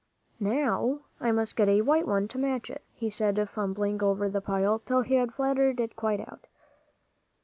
"Now I must get a white one to match it," he said, fumbling over the pile till he had flattened it quite out.